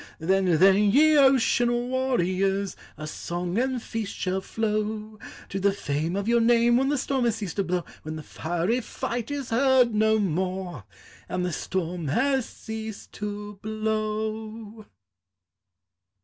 Then, then, ye ocean warriors! Our song and feast shall flow To the fame of your name, When the storm has ceased to blow; When the fiery fight is heard no more, And the storm has ceased to blow.